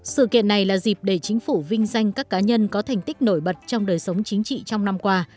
sự kiện này là dịp để chính phủ vinh danh các cá nhân có thành tích nổi bật trong đời sống chính trị trong năm qua